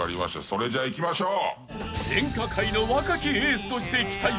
それじゃいきましょう。